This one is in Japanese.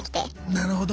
なるほど。